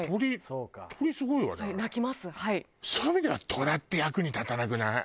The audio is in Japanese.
そういう意味ではトラって役に立たなくない？